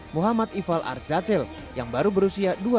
muhammad ifal arzachel yang baru berusia dua tahun enam bulan